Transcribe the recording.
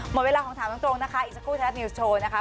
หมดเวลาของถามตรงนะคะอีกสักครู่ไทยรัฐนิวส์โชว์นะคะ